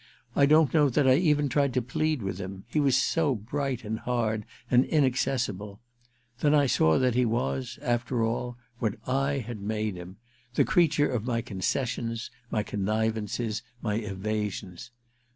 I don't know that I even tried to plead with him — he was so bright and hard and inaccessible ! Then I saw that he was, after all, what I had made him — ^the creature of my concessions, my connivances, my evasions.